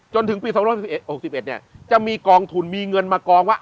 จนถึงปีสองพันห้าร้อยหกสิบเอ็ดหกสิบเอ็ดเนี่ยจะมีกองทุนมีเงินมากองว่า